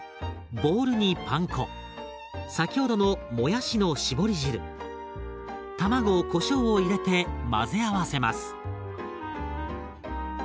ボウルにパン粉先ほどのもやしの絞り汁卵こしょうを入れて混ぜ合わせます。